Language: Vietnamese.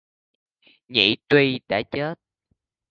Nhị tuy đã chết